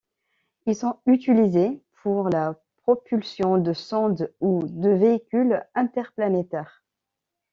Ils sont utilisés pour la propulsion de sondes ou de véhicules interplanétaires.